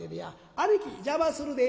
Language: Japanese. あねき邪魔するで」。